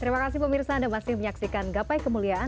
terima kasih pemirsa anda masih menyaksikan gapai kemuliaan